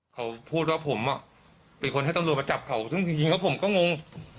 เขาพูดว่าผมเป็นคนให้ตำรวจมาจับเขาซึ่งจริงแล้วผมก็งง